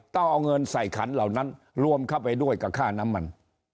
ต้องเอาเงินใส่ขันเหล่านั้นรวมเข้าไปด้วยกับค่าน้ำมัน